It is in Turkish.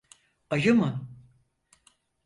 Ayı mı?